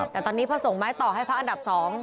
แต่ตอนนี้พระสงค์ไม้ต่อให้พระอันดับสอง